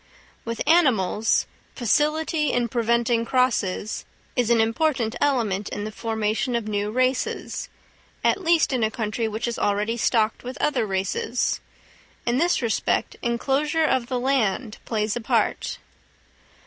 With animals, facility in preventing crosses is an important element in the formation of new races—at least, in a country which is already stocked with other races. In this respect enclosure of the land plays a part.